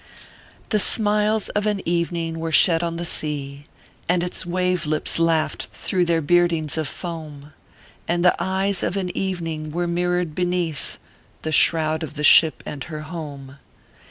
The smiles of an evening were shed on the sea, And its wave lips laughed through their boardings of foam ; And the eyes of an evening were mirrored beneath The shroud of the ship and her home.